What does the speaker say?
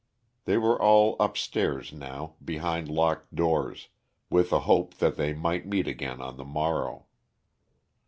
They were all upstairs now, behind locked doors, with a hope that they might meet again on the morrow.